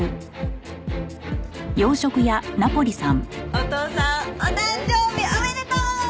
お父さんお誕生日おめでとう！